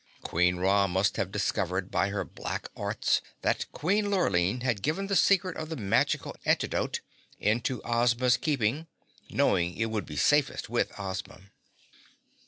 "Queen Ra must have discovered by her black arts that Queen Lurline had given the secret of the magical antidote into Ozma's keeping, knowing it would be safest with Ozma.